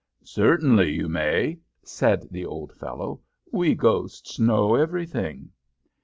"Certainly you may," said the old fellow. "We ghosts know everything."